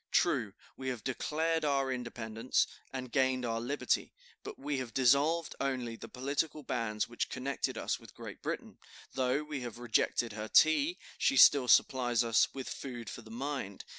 True, we have declared our independence, and gained our liberty, but we have dissolved only the political bands which connected us with Great Britain; though we have rejected her tea, she still supplies us with food for the mind.